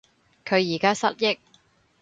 佢而家失憶